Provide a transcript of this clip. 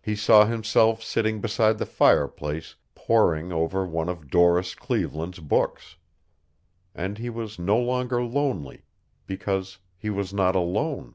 He saw himself sitting beside the fireplace poring over one of Doris Cleveland's books. And he was no longer lonely, because he was not alone.